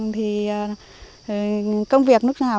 thì công việc nước nào